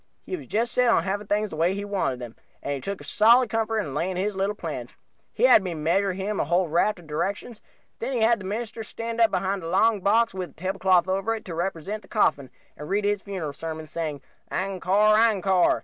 He was just set on having things the way he wanted them, and he took a solid comfort in laying his little plans. He had me measure him and take a whole raft of directions; then he had the minister stand up behind along box with a table cloth over it, to represent the coffin, and read his funeral sermon, saying 'Angcore, angcore!'